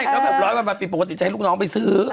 แล้วแบบร้อยวันปีปกติจะให้ลูกน้องไปซื้อ